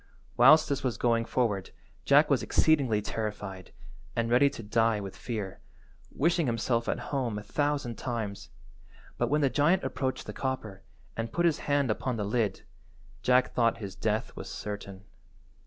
Whilst this was going forward Jack was exceedingly terrified, and ready to die with fear, wishing himself at home a thousand times, but when the giant approached the copper, and put his hand upon the lid, Jack thought his death was certain.